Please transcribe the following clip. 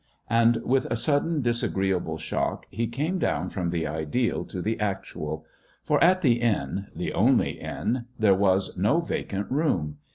And, with a sudden disagreeable shock, he came down from the ideal to the actual. For at the inn the only inn there was no vacant room.